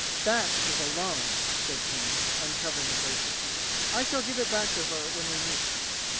"That is a loan," said King, uncovering the bracelet. "I shall give it back to her when we meet."